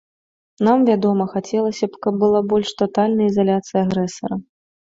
Нам, вядома, хацелася б, каб была больш татальная ізаляцыя агрэсара.